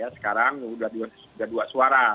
sekarang sudah dua suara